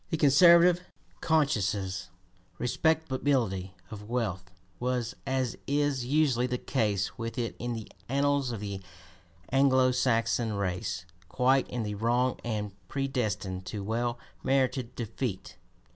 The conservative, conscienceless respectability of wealth was, as is usually the case with it in the annals of the Anglo Saxon race, quite in the wrong and predestined to well merited defeat.